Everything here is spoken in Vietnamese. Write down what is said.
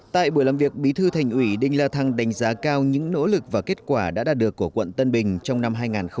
tại buổi làm việc bí thư thành ủy đinh la thăng đánh giá cao những nỗ lực và kết quả đã đạt được của quận tân bình trong năm hai nghìn hai mươi